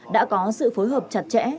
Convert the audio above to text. đã có sự phối hợp chặt chẽ